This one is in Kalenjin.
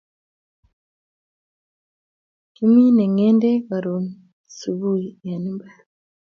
Kimine ngedek karun subui en imbar.